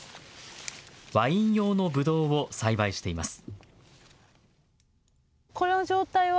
ワイン用のぶどうを栽培しています。